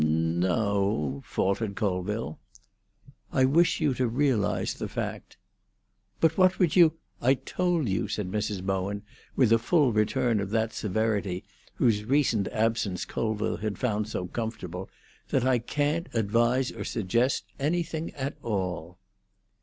"No—o—o," faltered Colville. "I wish you to realise the fact." "But what would you——" "I told you," said Mrs. Bowen, with a full return of that severity whose recent absence Colville had found so comfortable, "that I can't advise or suggest anything at all."